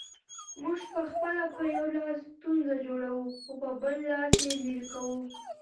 موږ پخپله په یو لاس ستونزه جوړوو، خو په بل لاس یې لیري کوو